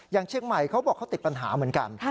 เชียงใหม่เขาบอกเขาติดปัญหาเหมือนกัน